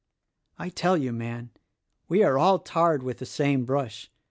I tell you, Man, we are all tarred with the same brush.